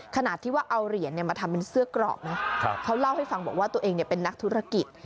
ขนาดที่ว่าเอาเหรียญมาทำเป็นเสื้อกรอบนะเขาเล่าให้ฟังบอกว่าตัวเองเป็นนักธุรกิจ